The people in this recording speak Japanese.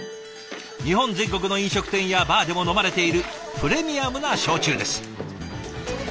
日本全国の飲食店やバーでも飲まれているプレミアムな焼酎です。